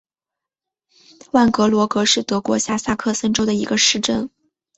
万格罗格是德国下萨克森州的一个市镇。